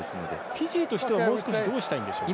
フィジーとしてはもう少しどうしたいんでしょうか。